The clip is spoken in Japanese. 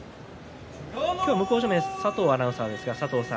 向正面は佐藤アナウンサーです。